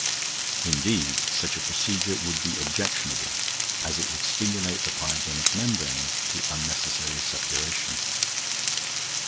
Indeed, such a procedure would be objectionable, as it would stimulate the pyogenic membrane to unnecessary suppuration.